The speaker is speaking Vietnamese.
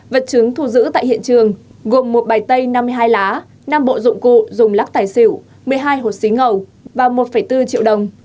vật chứng thu giữ tại hiện trường gồm một bài tay năm mươi hai lá năm bộ dụng cụ dùng lắc tài xỉu một mươi hai hụt xí ngầu và một bốn triệu đồng